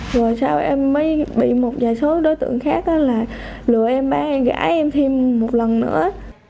rồi sau em mới bị một vài số đối tượng khác là lừa em bán em gãi em thêm một lần nữa